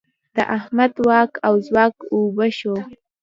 د احمد واک او ځواک اوبه شو.